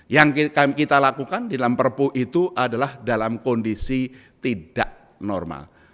yang kita lakukan di dalam perpu itu adalah dalam kondisi tidak normal